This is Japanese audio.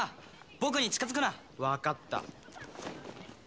僕に近づくな分かった